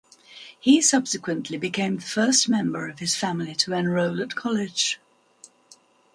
He subsequently became the first member of his family to enroll at college.